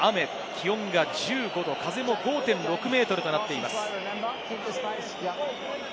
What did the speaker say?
気温は１５度、風は５．６メートルとなっています。